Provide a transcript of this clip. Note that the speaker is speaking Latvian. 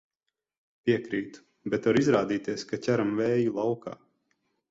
Piekrītu, bet var izrādīties, ka ķeram vēju laukā.